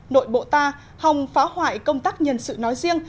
nội bộ ta hòng phá hoại công tác nhân sự nói riêng